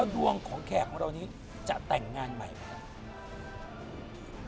แล้วดวงของแขกของเรานี้จะแต่งงานใหม่ไหม